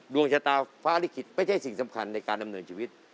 ดวงชะตาฟ้าลิขิตไม่ใช่สิ่งสำคัญในการดำเนินชีวิต